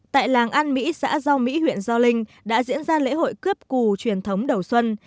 tại làng an mỹ xã do mỹ huyện do linh đã diễn ra lễ hội cướp cù truyền thống đầu xuân